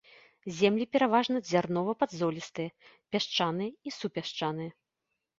Землі пераважна дзярнова-падзолістыя, пясчаныя і супясчаныя.